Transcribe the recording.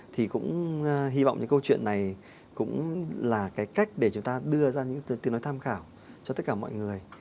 thì cũng hy vọng những câu chuyện này cũng là cái cách để chúng ta đưa ra những tiếng nói tham khảo cho tất cả mọi người